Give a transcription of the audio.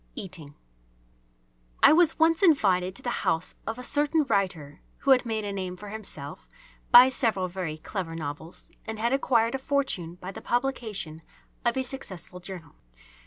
EATING I was once invited to the house of a certain writer who had made a name for himself by several very clever novels and had acquired a fortune by the publication of a successful journal.